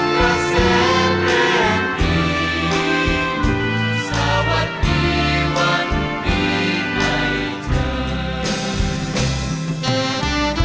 ขอบความจากฝ่าให้บรรดาดวงคันสุขสิทธิ์